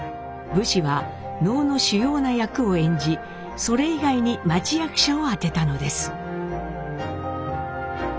武士は能の主要な役を演じそれ以外に町役者をあてたのです。